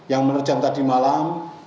yang menerjang tadi malam